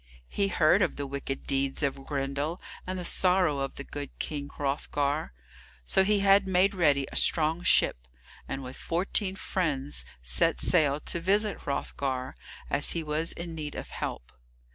He heard of the wicked deeds of Grendel, and the sorrow of the good King Hrothgar. So he had made ready a strong ship, and with fourteen friends set sail to visit Hrothgar, as he was in need of help.